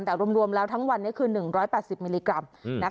แต่รวมแล้วทั้งวันนี้คือ๑๘๐มิลลิกรัม